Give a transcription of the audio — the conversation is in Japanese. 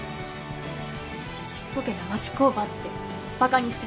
ちっぽけな町工場ってばかにしてた。